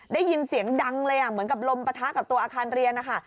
ได้ยินเสียงดังเลยเหมือนกับลมปะทะกับตัวอาคารเรียนนะคะ